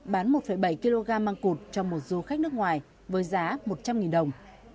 bán một bảy kg măng cụt cho một du khách nước ngoài với giá một trăm linh đồng